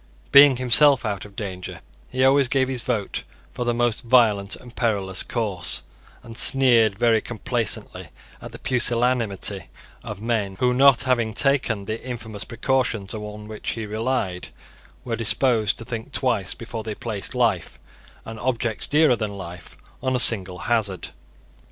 Being himself out of danger, he always gave his vote for the most violent and perilous course, and sneered very complacently at the pusillanimity of men who, not having taken the infamous precautions on which he relied, were disposed to think twice before they placed life, and objects dearer than life, on a single hazard.